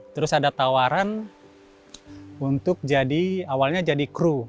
terus ada tawaran untuk jadi awalnya jadi kru